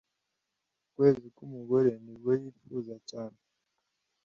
mu kwezi k'umugore nibwo yifuza cyane